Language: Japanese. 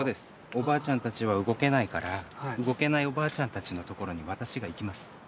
おばあちゃんたちは動けないから動けないおばあちゃんたちのところに私が行きます。